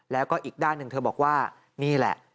แล้วก็อีกด้านหนึ่งเธอบอกว่านี่แหละ